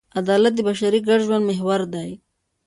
عدالت د بشري ګډ ژوند محور دی.